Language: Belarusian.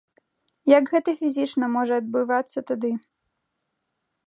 Як гэта фізічна можа адбывацца тады?